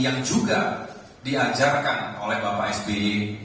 yang juga diajarkan oleh bapak sby